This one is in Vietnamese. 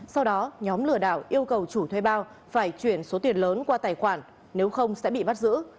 sau đó nhóm lừa đảo yêu cầu chủ thuê bao phải chuyển số tiền lớn qua tài khoản nếu không sẽ bị bắt giữ